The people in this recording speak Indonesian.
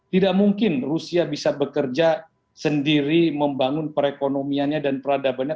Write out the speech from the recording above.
tidak mungkin rusia bisa bekerja sendiri membangun perekonomiannya dan peradabannya